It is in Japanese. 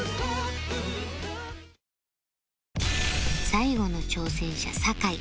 最後の挑戦者酒井